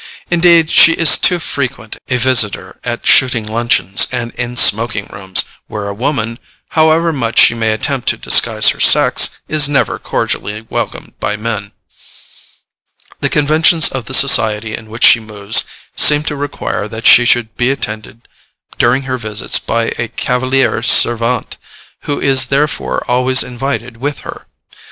Indeed she is too frequent a visitor at shooting luncheons and in smoking rooms, where a woman, however much she may attempt to disguise her sex, is never cordially welcomed by men. The conventions of the society in which she moves seem to require that she should be attended during her visits by a cavaliere servente, who is therefore always invited with her.